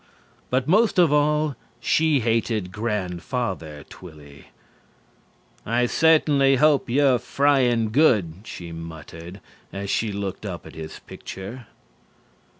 But most of all she hated Grandfather Twilly. "I certainly hope you're frying good," she muttered as she looked up at his picture.